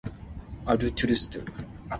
鬱卒